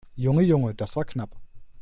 Junge, Junge, das war knapp!